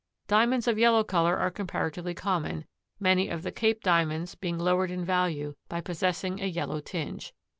Diamonds of yellow color are comparatively common, many of the Cape Diamonds being lowered in value by possessing a yellow tinge.